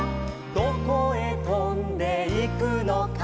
「どこへとんでいくのか」